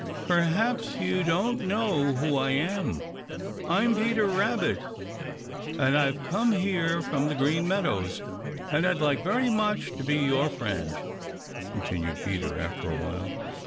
"Perhaps you don't know who I am. I'm Peter Rabbit, and I've come up here from the Green Meadows, and I'd like very much to be your friend," continued Peter after a while.